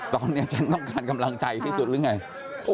ตอนนี้ฉันต้องการกำลังใจที่สุดหรือไง